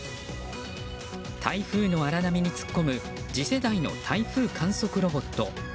台風の荒波に突っ込む次世代の台風観測ロボット。